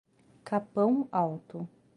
Capão Alto